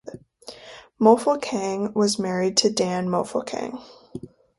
Mofokeng was married to Dan Mofokeng.